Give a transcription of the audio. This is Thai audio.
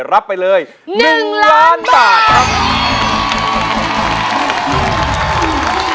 รับไปเลย๑ล้านบาทครับ